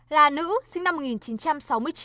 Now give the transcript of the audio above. là nữ sinh năm một nghìn chín trăm sáu mươi chín